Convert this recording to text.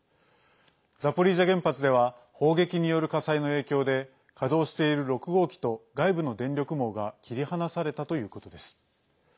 ザポリージャ原発では砲撃による火災の影響で稼働している６号機と外部の電力網が切り離されたということです。